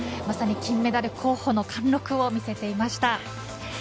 まさに金メダル候補の貫禄を見せていただきました。